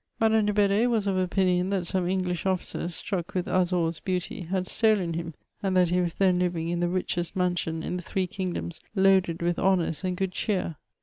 Madame de Bed^e was of opinion that some English officers, struck with Azor's beauty, had stolen him, and that he was then living in the richest mansion in the three kingdoms, loaded with honours and good cheer.